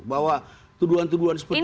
bahwa tuduhan tuduhan seperti itu